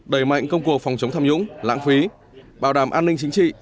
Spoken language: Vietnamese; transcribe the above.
đầy mạnh công cuộc phòng chống tham dũng lãng phí bảo đảm an ninh chính trị